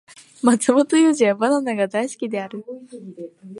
マツモトユウジはバナナが大好きである